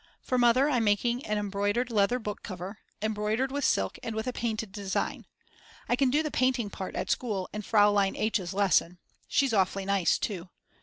For Mother I'm making an embroidered leather book cover, embroidered with silk and with a painted design; I can do the painting part at school in Fraulein H.'s lesson, she's awfully nice too.